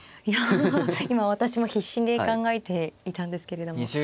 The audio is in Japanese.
いや今私も必死に考えていたんですけれども。